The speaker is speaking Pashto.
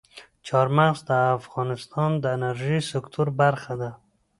چار مغز د افغانستان د انرژۍ سکتور برخه ده.